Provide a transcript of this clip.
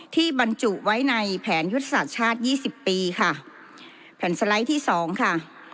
บรรจุไว้ในแผนยุทธศาสตร์ชาติยี่สิบปีค่ะแผ่นสไลด์ที่สองค่ะ